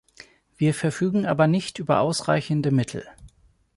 Wir verfügen aber nicht über ausreichende Mittel.